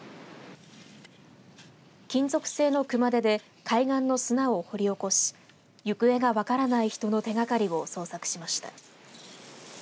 金属製の熊手で海岸の砂を掘り起こし行方が分からない人の手がかりを捜索しました。